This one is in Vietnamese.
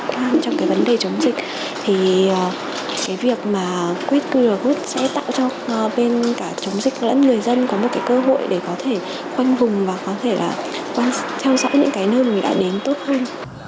trong cái vấn đề chống dịch thì cái việc mà quét qr code sẽ tạo cho bên cả chống dịch lẫn người dân có một cái cơ hội để có thể khoanh vùng và có thể là theo dõi những cái nơi mình đã đến tốt hơn